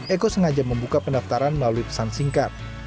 eko sengaja membuka pendaftaran melalui pesan singkat